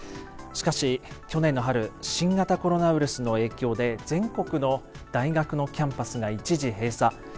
しかし去年の春新型コロナウイルスの影響で全国の大学のキャンパスが一時閉鎖。